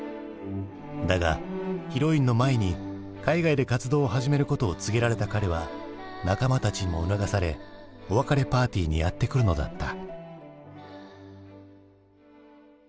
だがヒロインの舞に海外で活動を始めることを告げられた彼は仲間たちにも促されお別れパーティーにやって来るのだった。